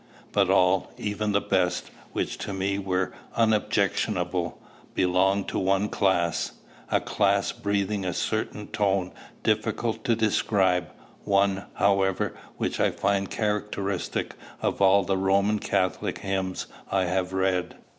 But all, even the best, which to me were unobjectionable, belonged to one class, a class breathing a certain tone difficult to describe; one, however, which I find characteristic of all the Roman Catholic hymns I have read.